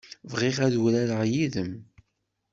Bɣiɣ ad urareɣ yid-m.